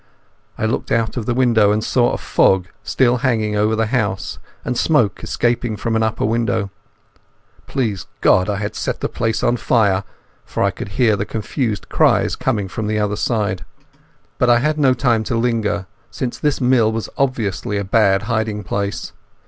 I looked out of the window and saw a fog still hanging over the house and smoke escaping from an upper window. Please God I had set the place on fire, for I could hear confused cries coming from the other side. But I had no time to linger, since this mill was obviously a bad hiding place.